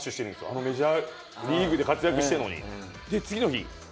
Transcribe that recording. あのメジャーリーグで活躍してるのに。